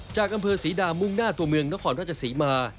จากอำเภอศรีดามุ่งหน้าตัวเมืองนครราชศรีมา